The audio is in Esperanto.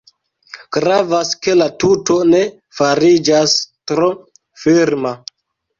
Gravas ke la tuto ne fariĝas tro firma.